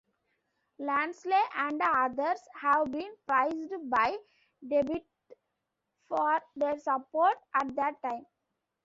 Lansley and others have been praised by Tebbit for their support at that time.